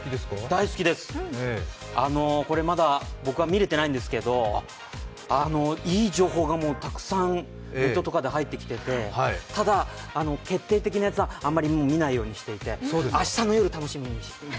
大好きです、これ、まだ僕は見れてないんですけど、いい情報がたくさんネットとかで入ってきててただ決定的なやつはあまり見ないようにしていて録画を。